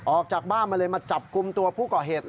ออกจากบ้านมาเลยมาจับกลุ่มตัวผู้ก่อเหตุ